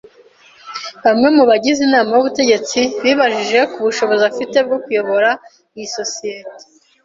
Bamwe mu bagize inama y'ubutegetsi bibajije ku bushobozi afite bwo kuyobora isosiyete.